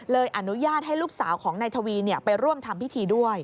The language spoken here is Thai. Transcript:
อนุญาตให้ลูกสาวของนายทวีไปร่วมทำพิธีด้วย